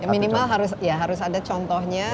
minimal harus ada contohnya